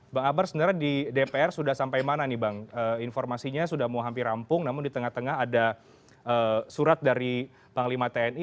bang akbar sebenarnya di dpr sudah sampai mana nih bang informasinya sudah mau hampir rampung namun di tengah tengah ada surat dari panglima tni